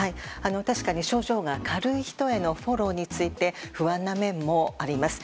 確かに症状が軽い人へのフォローについて不安な面もあります。